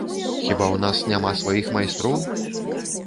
Хіба ў нас няма сваіх майстроў?